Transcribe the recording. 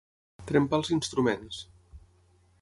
Trempar els instruments.